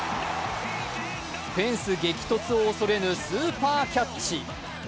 フェンス激突を恐れぬスーパーキャッチ。